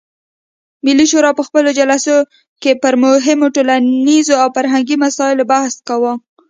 ملي شورا په خپلو جلسو کې پر مهمو ټولنیزو او فرهنګي مسایلو بحث کاوه.